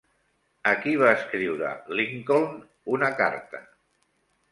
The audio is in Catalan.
A qui va escriure Lincoln una carta?